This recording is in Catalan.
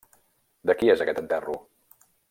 -De qui és aquest enterro?